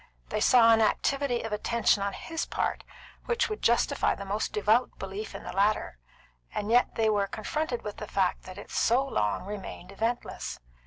They saw an activity of attention on his part which would justify the most devout belief in the latter, and yet they were confronted with the fact that it so long remained eventless.